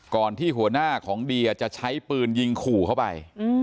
ที่หัวหน้าของเดียจะใช้ปืนยิงขู่เข้าไป